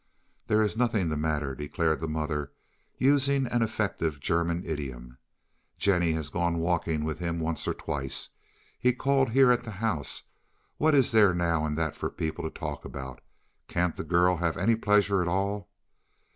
"There is nothing the matter," declared the mother, using an effective German idiom. "Jennie has gone walking with him once or twice. He has called here at the house. What is there now in that for the people to talk about? Can't the girl have any pleasure at all?"